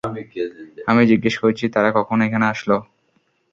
আমি জিজ্ঞেস করেছি, তারা কখন এখানে আসলো?